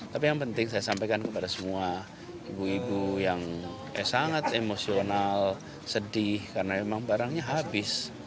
tapi yang penting saya sampaikan kepada semua ibu ibu yang sangat emosional sedih karena memang barangnya habis